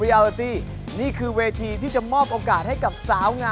รายการต่อไปนี้เหมาะสำหรับผู้ชมที่มีอายุ๑๓ปีควรได้รับคำแนะนำ